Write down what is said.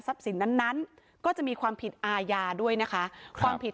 สินนั้นนั้นก็จะมีความผิดอาญาด้วยนะคะความผิด